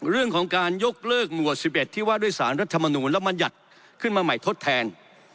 เรื่องของการยกเลิกหมวด๑๑ที่ว่าด้วยสารรัฐมนูลแล้วมัญญัติขึ้นมาใหม่ทดแทน